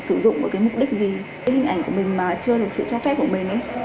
họ sử dụng hình ảnh của mình mà chưa được sự cho phép của mình